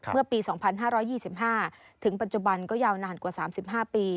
เมื่อปี๒๕๒๕ถึงปัจจุบันก็ยาวนานกว่า๓๕ปี